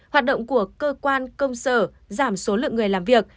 hoạt động của cơ quan công sở giảm số lượng người làm việc